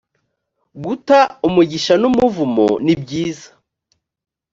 guta umugisha n’ umuvumo ni byiza.